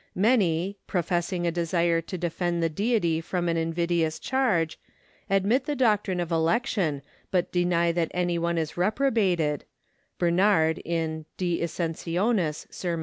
Many, professing a desire to defend the Deity from an invidious charge, admit the doctrine of election but deny that any one is reprobated (Bernard, in 'Die Ascensionis,' Serm.